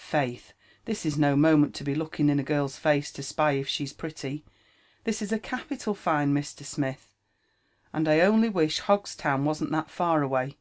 *' Failhl this is no moment to be looking in a girVs face to spy i£ she's pretty. This is a capital find, Mr. Smith, and I only wish Hogs town wasn't that far away.